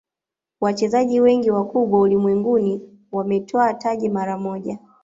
wachezaji wengi wakubwa ulimwenguni wametwaa taji mara moja